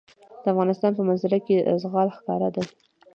د افغانستان په منظره کې زغال ښکاره ده.